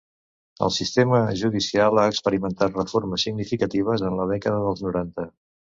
El sistema judicial ha experimentat reformes significatives en la dècada dels noranta.